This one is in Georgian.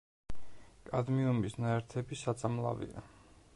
კადმიუმის ნაერთები საწამლავია.